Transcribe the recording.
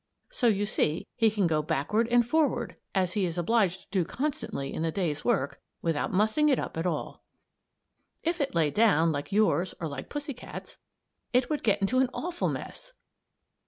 So you see he can go backward and forward as he is obliged to do constantly in the day's work without mussing it up at all. If it lay down, like yours or like pussy cat's, it would get into an awful mess!